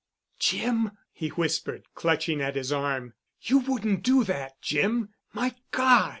"Jim!" he whispered, clutching at his arm. "You wouldn't do that, Jim. My God!